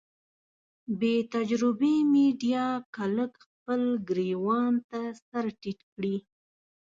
بې تجربې ميډيا که لږ خپل ګرېوان ته سر ټيټ کړي.